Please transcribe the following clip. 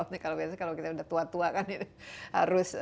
biasanya kalau kita sudah tua tua kan harus